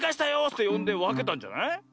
ってよんでわけたんじゃない？